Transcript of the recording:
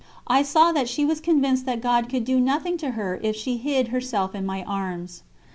I saw that she was convinced that God could do nothing to her if she hid herself in my arms."